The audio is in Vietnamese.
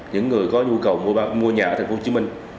những người có nhu cầu mua nhà ở tp hcm